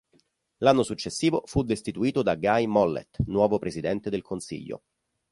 L'anno successivo fu destituito da Guy Mollet, nuovo Presidente del Consiglio.